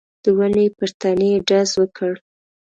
د ونې پر تنې يې ډز وکړ.